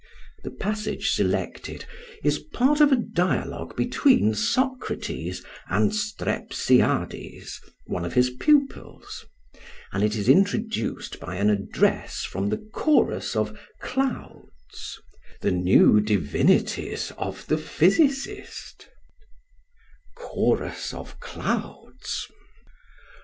The passage selected is part of a dialogue between Socrates and Strepsiades, one of his pupils; and it is introduced by an address from the chorus of "Clouds", the new divinities of the physicist: CHORUS OF CLOUDS.